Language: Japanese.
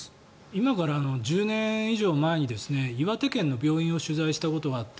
今から１０年以上前に岩手県の病院を取材したことがあって。